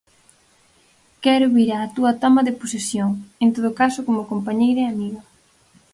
Quero vir á túa toma de posesión, en todo caso como compañeira e amiga.